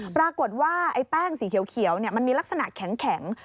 ปรากฏว่าไอ้แป้งสีเขียวมันมีลักษณะแข็ง